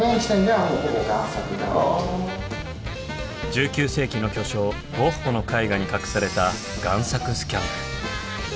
１９世紀の巨匠ゴッホの絵画に隠された贋作スキャンダル。